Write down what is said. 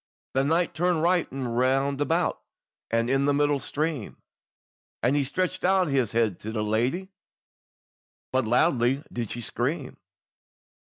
The knight turned right and round about, All in the middle stream; And he stretched out his head to that lady, But loudly she did scream.